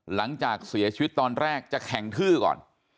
หลังจากเสียชีวิตตอนแรกจะแข่งทื้อก่อน